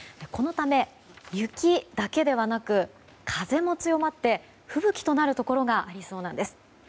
このため、雪だけではなく風も強まって吹雪となるところがありそうなんです。